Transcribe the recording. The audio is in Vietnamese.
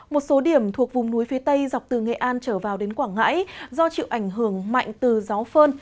một số điểm thuộc vùng núi phía tây dọc từ nghệ an trở vào đến quảng ngãi do chịu ảnh hưởng mạnh từ gió phơn